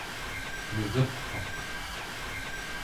negeqvaq